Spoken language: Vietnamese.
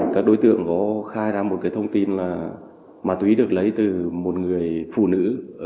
các đối tượng đều khai nhận mua ma túy của một người phụ nữ